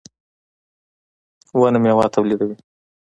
• ونه مېوه تولیدوي.